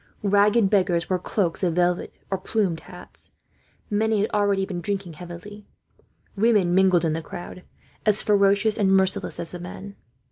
Ragged beggars wore cloaks of velvet, or plumed hats. Many had already been drinking heavily. Women mingled in the crowd, as ferocious and merciless as the men.